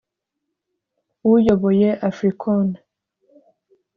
uyoboye Africon